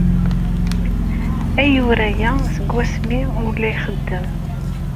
Ayyur aya seg wasmi ur la ixeddem.